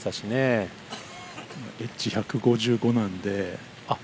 ウエッジ１５５なんで。